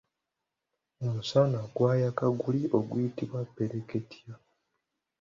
Omusana gwayaka guli oguyitibwa ppereketya.